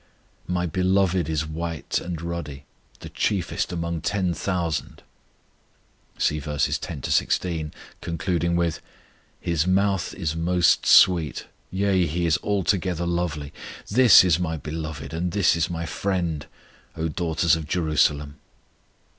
My Beloved is white and ruddy, The chiefest among ten thousand. (see verses 10 16, concluding with) His mouth is most sweet: yea, He is altogether lovely. This is my Beloved, and this is my Friend, O daughters of Jerusalem.